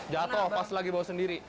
jatuh pas lagi bawa sendiri